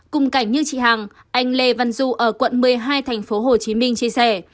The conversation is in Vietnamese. cùng cảnh như chị hằng anh lê văn du ở quận một mươi hai tp hcm chia sẻ